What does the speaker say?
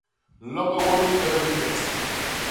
Nloñgo won u ñkek dinyet.